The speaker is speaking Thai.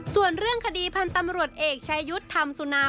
ส่วนเรื่องคดีพันธ์ตำรวจเอกชายุทธ์ธรรมสุนา